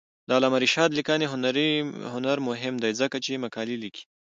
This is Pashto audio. د علامه رشاد لیکنی هنر مهم دی ځکه چې مقالې لیکي.